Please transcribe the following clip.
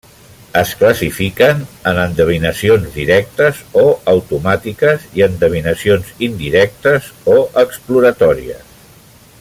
Es classifiquen en endevinacions directes o automàtiques i endevinacions indirectes o exploratòries.